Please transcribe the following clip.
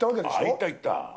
行った、行った。